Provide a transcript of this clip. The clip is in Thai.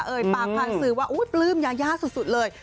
เอิร์ดปากผ่านสือว่าอู้ยบลืมยายาสุดเลย